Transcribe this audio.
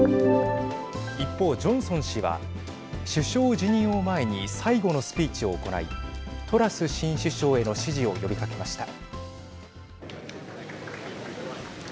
一方、ジョンソン氏は首相辞任を前に最後のスピーチを行いトラス新首相への支持を呼びかけました。